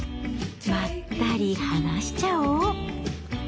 まったりはなしちゃお！